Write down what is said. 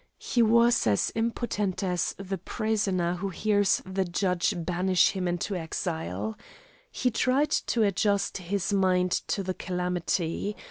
He was as impotent as the prisoner who hears the judge banish him into exile. He tried to adjust his mind to the calamity.